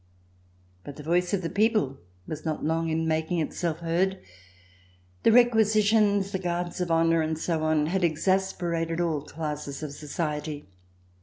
But the voice of the people was not long in making Itself heard. The requisitions, the Guards of Honor and so on had exasperated all classes of society.